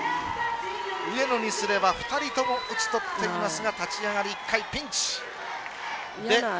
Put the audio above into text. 上野にすれば２人とも打ち取っていますが立ち上がり、１回ピンチ。